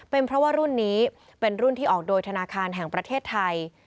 เป็นเพราะว่ารุ่นนี้เป็นรุ่นที่ออกโดยธนาคารแห่งประเทศไทย